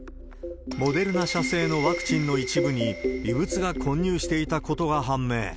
モデルナ社製のワクチンの一部に、異物が混入していたことが判明。